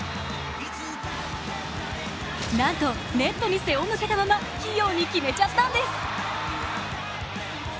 なんとネットに背を向けたまま器用に決めちゃったんです。